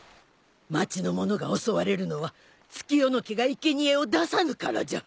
町の者が襲われるのは月夜野家がいけにえを出さぬからじゃ。